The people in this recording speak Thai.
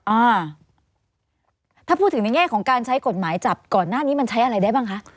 อ่าถ้าพูดถึงในแง่ของการใช้กฎหมายจับก่อนหน้านี้มันใช้อะไรได้บ้างคะ